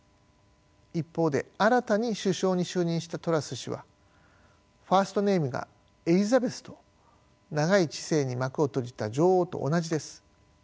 一方で新たに首相に就任したトラス氏はファースト・ネームがエリザベスと長い治世に幕を閉じた女王と同じです。